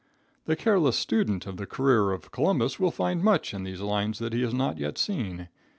The careless student of the career of Columbus will find much in these lines that he has not yet seen.